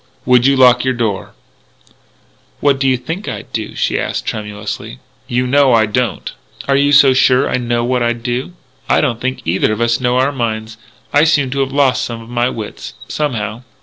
"Would you lock your door?" "What do you think I'd do?" she asked tremulously. "You know; I don't." "Are you so sure I know what I'd do? I don't think either of us know our own minds.... I seem to have lost some of my wits.... Somehow...."